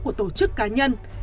của tổ chức cá nhân